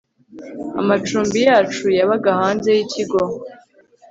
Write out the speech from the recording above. amacumbi yacu yabaga hanze yikigo